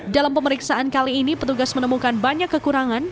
dalam pemeriksaan kali ini petugas menemukan banyak kekurangan